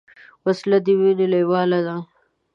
وسله د وینې لیواله ده